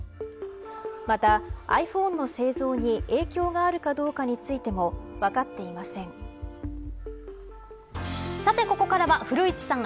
またｉＰｈｏｎｅの製造に影響があるかどうかについても分かっていません。